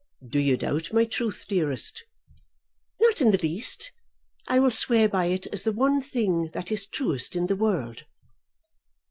"Do you doubt my truth, dearest?" "Not in the least. I will swear by it as the one thing that is truest in the world."